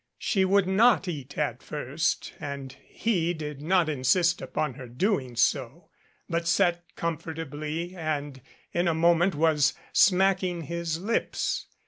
She would not eat at first and he did not insist upon her doing so, but sat comfortably, and in a moment was smacking his lips.